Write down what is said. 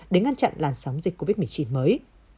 để ngăn chặn làn sóng dịch covid một mươi chín mới